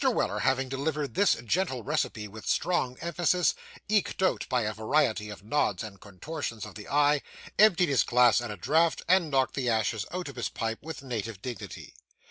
Weller, having delivered this gentle recipe with strong emphasis, eked out by a variety of nods and contortions of the eye, emptied his glass at a draught, and knocked the ashes out of his pipe, with native dignity.